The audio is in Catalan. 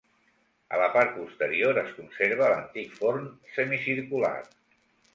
A la part posterior es conserva l'antic forn semicircular.